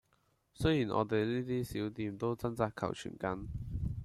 雖然我哋呢啲小店都掙扎求存緊